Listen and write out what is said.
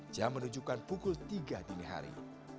jam menunjukkan pukul tiga dini hari